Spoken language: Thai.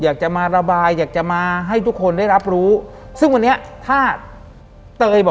หลังจากนั้นเราไม่ได้คุยกันนะคะเดินเข้าบ้านอืม